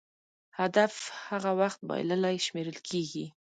هدف هغه وخت بایللی شمېرل کېږي.